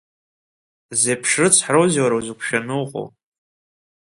Зеиԥш рыцҳароузеи уара узықәшәаны уҟоу!